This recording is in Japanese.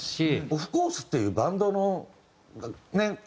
オフコースっていうバンドのね